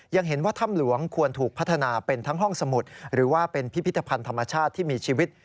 ยังเห็นว่าถ้ำหลวงควรถูกพัฒนาเป็นทั้งห้องสมุดหรือว่าเป็นพิพิธภัณฑ์ธรรมชาติที่มีชีวิต